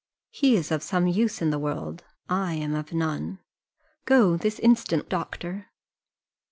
He is of some use in the world I am of none go this instant, doctor."